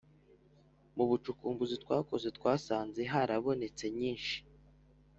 mu bucukumbuzi twakozwe twasanze harabonetse nyinshi